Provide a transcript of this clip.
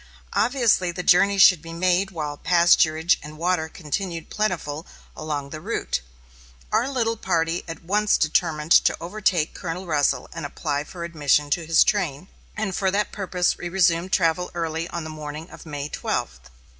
Obviously the journey should be made while pasturage and water continued plentiful along the route. Our little party at once determined to overtake Colonel Russell and apply for admission to his train, and for that purpose we resumed travel early on the morning of May twelfth.